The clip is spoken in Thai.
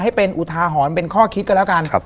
ให้เป็นอุทาหรณ์เป็นข้อคิดกันแล้วกัน